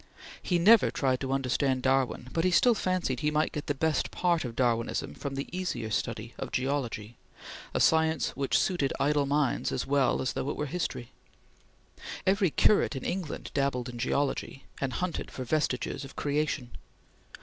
He never tried to understand Darwin; but he still fancied he might get the best part of Darwinism from the easier study of geology; a science which suited idle minds as well as though it were history. Every curate in England dabbled in geology and hunted for vestiges of Creation.